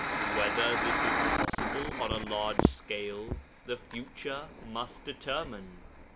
Whether this is possible on a large scale, the future must determine.